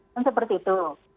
dan seperti itu